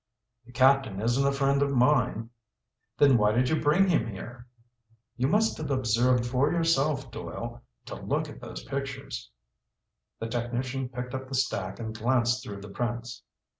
"The Captain isn't a friend of mine." "Then why did you bring him here?" "You must have observed for yourself, Doyle. To look at those pictures." The technician picked up the stack and glanced through the prints.